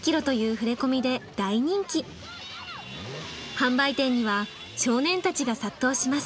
販売店には少年たちが殺到します。